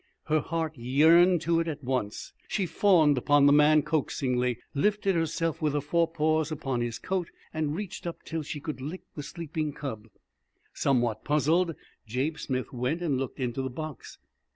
Her heart yearned to it at once. She fawned upon the man coaxingly, lifted herself with her forepaws upon his coat, and reached up till she could lick the sleeping cub. Somewhat puzzled, Jabe Smith went and looked into the box.